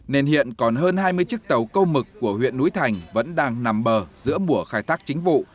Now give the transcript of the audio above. nên hiện còn hơn hai mươi chiếc tàu câu mực của huyện núi thành vẫn đang nằm bờ giữa mùa khai thác chính vụ